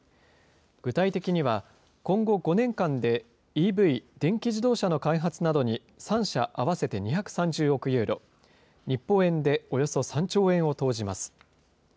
具体的には、今後５年間でＥＶ・電気自動車の開発などに３社合わせて２３０億ユーロ、日本円でおよそ３兆円を投じます。